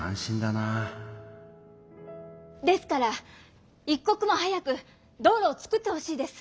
ですからいっこくも早く道路をつくってほしいです！